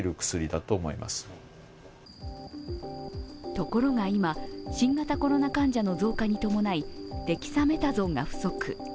ところが今、新型コロナ患者の増加に伴いデキサメタゾンが不足。